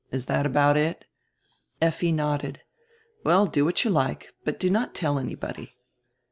Is that about it?" Effi nodded. "Well, do what you like, but do not tell anybody."